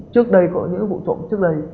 trước đây có những vụ trộm trước đây